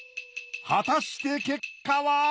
果たして結果は！？